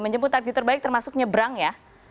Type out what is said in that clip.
menjemput takdir terbaik termasuk nyebrang ya